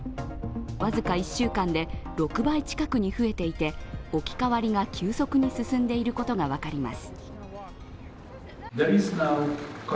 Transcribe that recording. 僅か１週間で６倍近くに増えていて、置き換わりが急速に進んでいることが分かります。